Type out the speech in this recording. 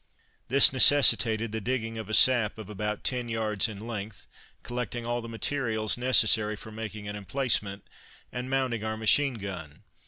] This necessitated the digging of a sap of about ten yards in length, collecting all the materials for making an emplacement, and mounting our machine gun.